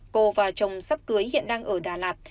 cô và chồng sắp cưới hiện đang ở đà lạt